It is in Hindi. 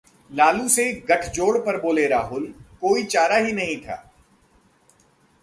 लालू से गठजोड़ पर बोले राहुल, कोई चारा ही नहीं था